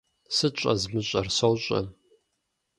Сыт щӏэзмыщӏэр, сощӀэ!